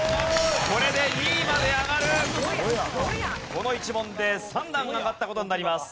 この１問で３段上がった事になります。